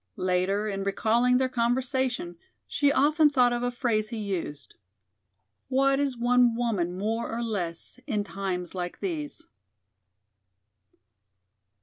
Later, in recalling their conversation, she often thought of a phrase he used: "What is one woman more or less in times like these?"